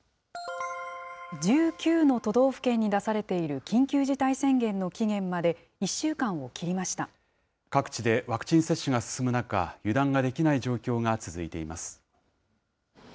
１９の都道府県に出されている緊急事態宣言の期限まで１週間を切各地でワクチン接種が進む中、油断ができない状況が続いています。